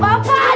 hai kau sun